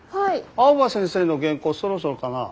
青葉先生の原稿そろそろかな。